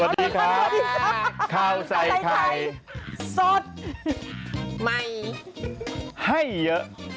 สวัสดีค่ะค่าใส่ไข่สดใหม่ให้เยอะ